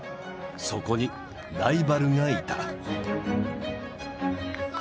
そこにライバルがいた。